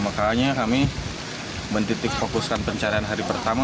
makanya kami menditik fokuskan pencarian hari pertama